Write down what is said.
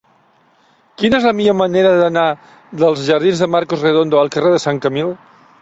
Quina és la millor manera d'anar dels jardins de Marcos Redondo al carrer de Sant Camil?